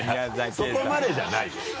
そこまでじゃないよ。